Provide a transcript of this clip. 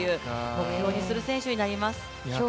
目標にする選手になります。